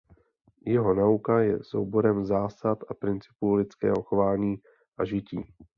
Jeho nauka je souborem zásad a principů lidského chování a žití.